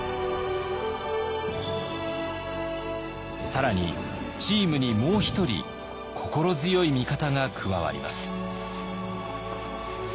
更にチームにもう一人心強い味方が加わります。